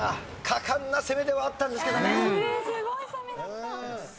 果敢な攻めではあったんですけどね。